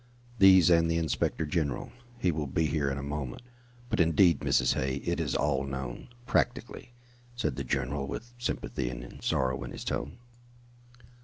"These and the inspector general. He will be here in a moment. But, indeed, Mrs. Hay, it is all known, practically," said the general, with sympathy and sorrow in his tone.